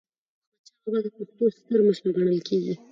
احمدشاه بابا د پښتنو ستر مشر ګڼل کېږي.